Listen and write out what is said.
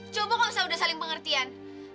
coba kamu selalu udah saling pengertian